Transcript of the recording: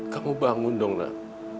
kamu bangun dong nak